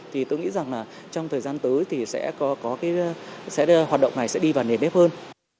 thì tôi nghĩ rằng là trong thời gian tới thì sẽ có cái hoạt động này sẽ đi vào nền nếp hơn